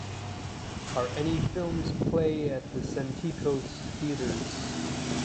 Are any films play at the Santikos Theatres